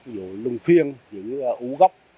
ví dụ lưng phiêng những ú gốc